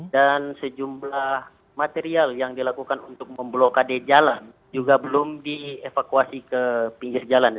dan sejumlah material yang dilakukan untuk memblokade jalan juga belum dievakuasi ke pinggir jalan